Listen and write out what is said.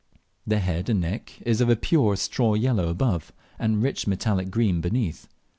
The head and neck is of a pure straw yellow above and rich metallic green beneath.